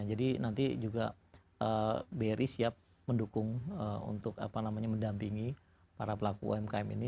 jadi nanti juga bri siap mendukung untuk apa namanya mendampingi para pelaku umkm ini